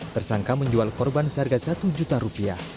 tersangka menjual korban seharga satu juta rupiah